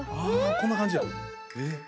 こんな感じや。